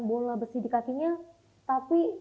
bola besi dikatinya tapi